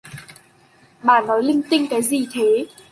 Bà nói linh tinh cái gì thế